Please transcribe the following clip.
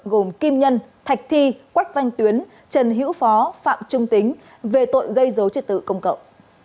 gồm kim nhân thạch thi quách văn tuyến trần hữu phó phạm trung tính về tội gây dấu trật tự công cộng